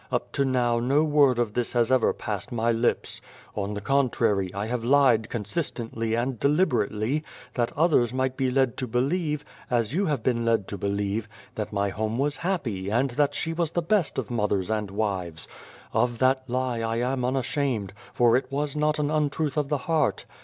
Up to now no word of this has ever passed my lips. On the contrary, I have lied consistently and deliberately, that others might be led to believe, as you have been led to believe, that my home was happy and that she was the best of mothers and wives. Of that lie I am unashamed, for it was not an untruth of the heart.